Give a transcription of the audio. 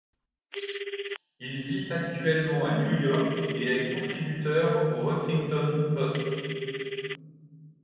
Il vit actuellement à New York et est contributeur au Huffington Post.